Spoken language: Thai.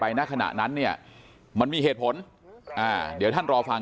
มีกล้วยติดอยู่ใต้ท้องเดี๋ยวพี่ขอบคุณ